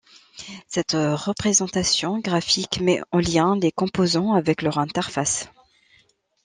Cette représentation graphique met en lien les composants avec leurs interfaces.